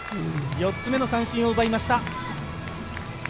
４つ目の三振を奪いました。